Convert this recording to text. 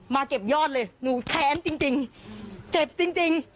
เก็บยอดเลยหนูแค้นจริงเจ็บจริงจริง